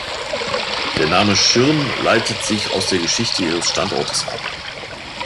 Der Name "Schirn" leitet sich aus der Geschichte ihres Standortes ab.